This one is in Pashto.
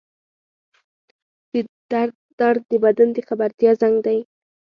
درد د بدن د خبرتیا زنګ دی